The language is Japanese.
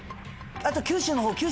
あと九州のほう。